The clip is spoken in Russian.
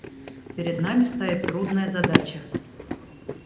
Перед нами стоит трудная задача.